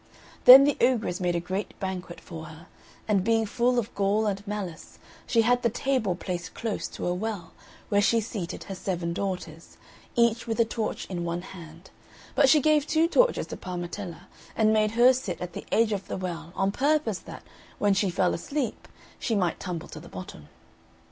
Then the ogress made a great banquet for her; and being full of gall and malice, she had the table placed close to a well, where she seated her seven daughters, each with a torch in one hand; but she gave two torches to Parmetella, and made her sit at the edge of the well, on purpose that, when she fell asleep, she might tumble to the bottom.